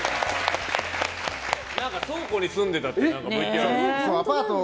倉庫に住んでいたってＶＴＲが。